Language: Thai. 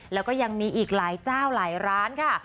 แล้วก็ยังมีอีกหลายเจ้าหลายร้านค่ะ